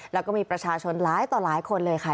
แล้วก็มีประชาชนหลายต่อหลายคนเลยค่ะ